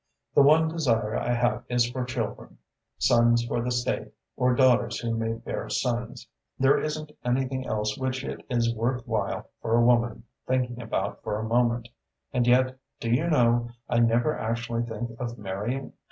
The one desire I have is for children sons for the State, or daughters who may bear sons. There isn't anything else which it is worth while for a woman thinking about for a moment. And yet, do you know, I never actually think of marrying.